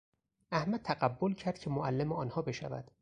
احمد تقبل کرد که معلم آنها بشود.